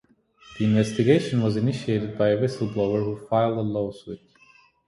The investigation was initiated by a whistleblower who filed a lawsuit.